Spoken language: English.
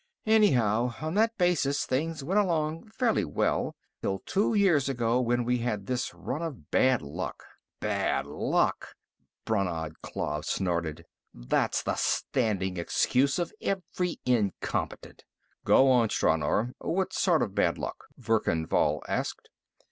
Anyhow, on that basis things went along fairly well, till two years ago, when we had this run of bad luck." "Bad luck!" Brannad Klav snorted. "That's the standing excuse of every incompetent!" "Go on, Stranor; what sort of bad luck?" Verkan Vall asked.